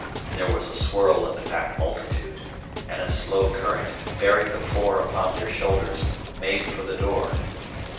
There was a swirl in the packed multitude, and a slow current, bearing the four upon their shoulders, made for the door.